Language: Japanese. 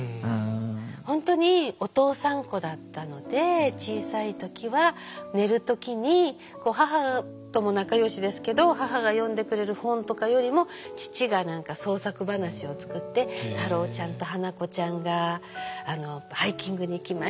本当にお父さん子だったので小さい時は寝る時に母とも仲よしですけど母が読んでくれる本とかよりも父が何か創作話を作って「太郎ちゃんと花子ちゃんがハイキングに行きました。